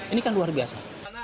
ini kan luar biasa